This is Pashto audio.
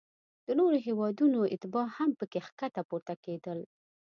د نورو هیوادونو اتباع هم پکې ښکته پورته کیدل.